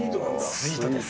スイートです。